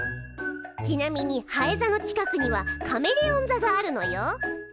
ちなみにハエ座の近くにはカメレオン座があるのよ。